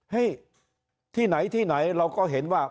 เฮ้ยที่ไหนเราก็เห็นว่า